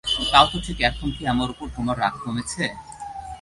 তাও তো ঠিক এখন কি আমার উপর তোমার রাগ কমেছে?